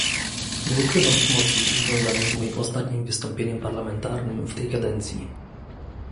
Nie ukrywam emocji związanych z moim ostatnim wystąpieniem parlamentarnym w tej kadencji